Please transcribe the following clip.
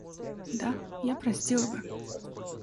Да, я простила бы.